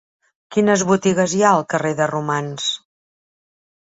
Quines botigues hi ha al carrer de Romans?